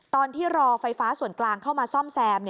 ตอนที่รอไฟฟ้าส่วนกลางเข้ามาซ่อมแซม